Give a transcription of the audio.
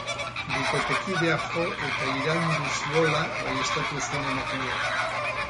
Bikotekideak jo eta iraindu ziola baieztatu zuen emakumeak.